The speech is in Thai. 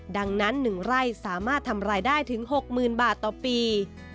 ดังนั้น๑ไร่สามารถทำรายได้ถึง๖๐๐๐บาทต่อปี